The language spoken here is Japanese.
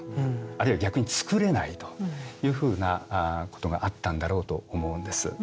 あるいは逆に作れないというふうなことがあったんだろうと思うんです。